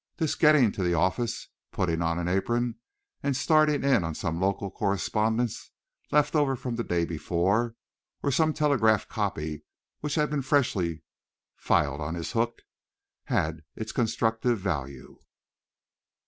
This getting to the office, putting on an apron, and starting in on some local correspondence left over from the day before, or some telegraph copy which had been freshly filed on his hook, had its constructive value.